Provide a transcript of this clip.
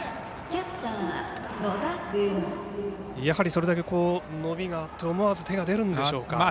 やはりそれだけ伸びがあって思わず手が出るんでしょうか。